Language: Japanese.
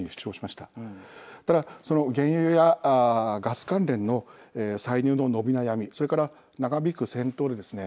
ただ、その原油やガス関連の歳入の伸び悩みそれから長引く戦闘でですね